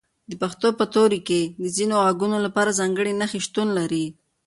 د پښتو ژبې په توري کې د ځینو غږونو لپاره ځانګړي نښې شتون لري.